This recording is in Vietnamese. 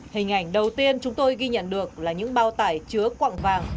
hình ảnh đầu tiên chúng tôi ghi nhận được là những bao tải chứa quạng vàng